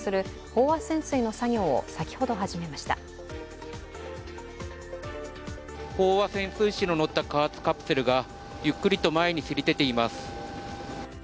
飽和潜水士を乗せた加圧カプセルがゆっくりと前に競り出ています。